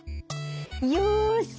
よし！